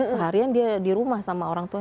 seharian dia di rumah sama orang tua